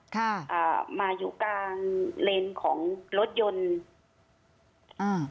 ค่ะอ่ามาอยู่กลางเลนของรถยนต์อ่า